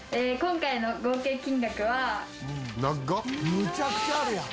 むちゃくちゃあるやん！